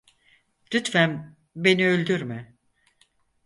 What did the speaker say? Lütfen beni öldürme!